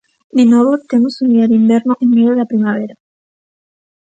De novo, temos un día de inverno en medio da primavera.